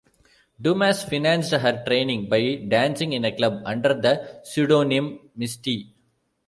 Dumas financed her training by dancing in a club under the pseudonym Misty.